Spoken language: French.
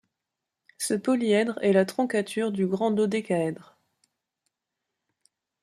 Ce polyèdre est la troncature du grand dodécaèdre.